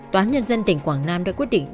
toán nhân dân tỉnh quảng nam đã quyết định